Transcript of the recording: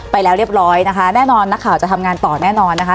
ไปแล้วเรียบร้อยนะคะแน่นอนนักข่าวจะทำงานต่อแน่นอนนะคะ